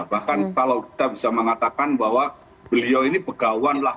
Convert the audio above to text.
bahkan kalau kita bisa mengatakan bahwa beliau ini pegawan lah